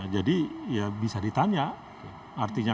jadi ya bisa ditanya